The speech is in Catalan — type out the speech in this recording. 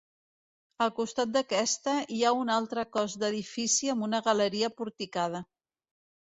Al costat d'aquesta hi ha un altre cos d'edifici amb una galeria porticada.